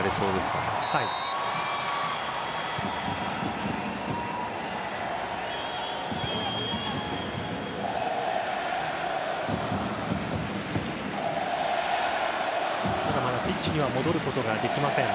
ただ、まだピッチには戻ることはできません。